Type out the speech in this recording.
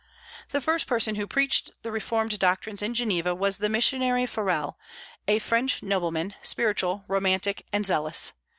The first person who preached the reformed doctrines in Geneva was the missionary Farel, a French nobleman, spiritual, romantic, and zealous.